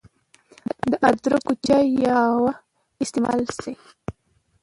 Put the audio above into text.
د ادرکو چای يا قهوه استعمال شي